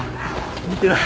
見てない。